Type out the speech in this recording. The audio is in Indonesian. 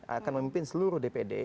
akan memimpin seluruh dpd